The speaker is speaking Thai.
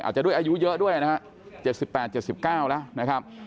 อาจจะด้วยอายุเยอะด้วยนะฮะ๗๘๗๙แล้วนะครับ